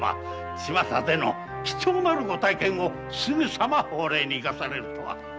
巷での貴重なるご体験をすぐさま法令に生かされるとは。